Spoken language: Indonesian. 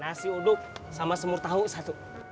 nasi uduk sama semur tahu satu